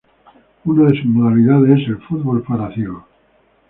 Una de sus modalidades es el fútbol para ciegos.